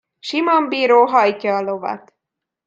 Simon bíró hajtja a lovat.